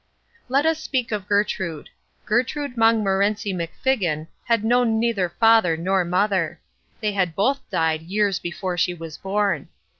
Let us speak of Gertrude. Gertrude DeMongmorenci McFiggin had known neither father nor mother. They had both died years before she was born.